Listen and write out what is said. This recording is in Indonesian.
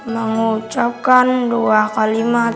mengucapkan dua kalimat